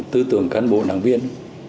tư tưởng cán bộ đảng viên